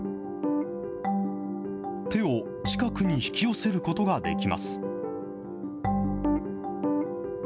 手を近くに引き寄せることができます。